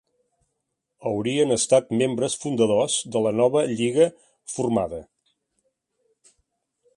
Haurien estat membres fundadors de la nova lliga formada.